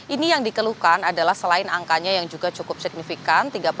ini yang dikeluhkan adalah selain angkanya yang juga cukup signifikan